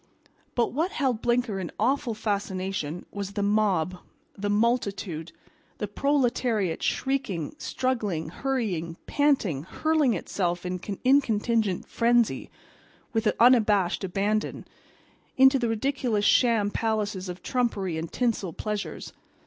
But what held Blinker in awful fascination was the mob, the multitude, the proletariat shrieking, struggling, hurrying, panting, hurling itself in incontinent frenzy, with unabashed abandon, into the ridiculous sham palaces of trumpery and tinsel pleasures.